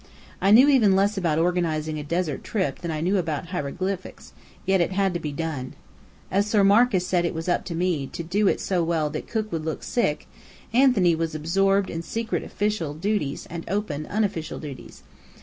I knew even less about organizing a desert trip than I knew about hieroglyphics; yet it had to be done. As Sir Marcus said it was "up to me" to do it so well that Cook would look sick. Anthony was absorbed in secret official duties and open, unofficial duties.